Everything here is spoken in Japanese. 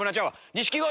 錦鯉。